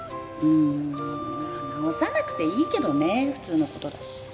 うんまあ治さなくていいけどね普通のことだし。